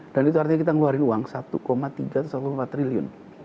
dan itu artinya kita mengeluarkan uang satu tiga ratus empat belas triliun